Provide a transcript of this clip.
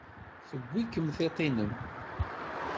Tewwi-kem tiṭ-nnem.